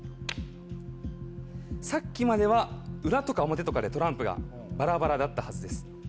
さっきまでは裏とか表とかでトランプがバラバラだったはずです。